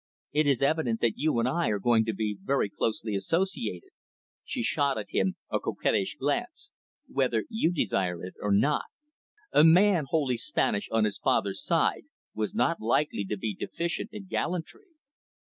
"It is evident that you and I are going to be very closely associated," she shot at him a coquettish glance "whether you desire it or not." A man wholly Spanish on his father's side was not likely to be deficient in gallantry.